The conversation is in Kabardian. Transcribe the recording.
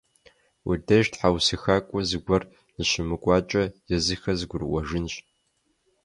Уи деж тхьэусыхакӏуэ зыгуэр ныщымыкӏуакӏэ, езыхэр зэгурыӏуэжынщ.